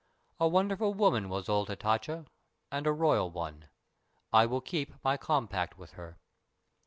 A wonderful woman was old Hatatcha, and a royal one. I will keep my compact with her."